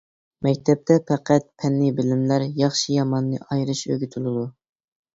مەكتەپتە پەقەت پەننى بىلىملەر، ياخشى ياماننى ئايرىش ئۆگىتىلىدۇ.